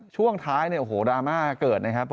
ช่วงท้ายเนี่ยโอ้โหดราม่าเกิดนะครับ